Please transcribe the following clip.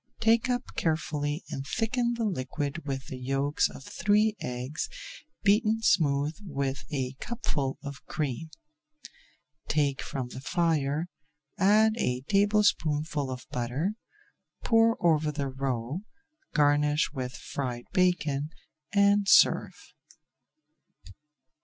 Take up carefully and thicken the liquid with the yolks of three eggs beaten smooth with a cupful of cream. Take from the fire, add a tablespoonful of butter, pour over the roe, garnish with fried bacon, and serve.